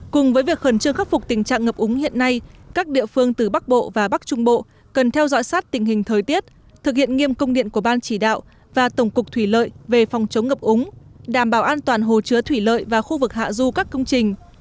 cùng với việc khẩn trương khắc phục tình trạng ngập úng hiện nay các địa phương từ bắc bộ và bắc trung bộ cần theo dõi sát tình hình thời tiết thực hiện nghiêm công điện của ban chỉ đạo và tổng cục thủy lợi về phòng chống ngập úng đảm bảo an toàn hồ chứa thủy lợi và khu vực hạ du các công trình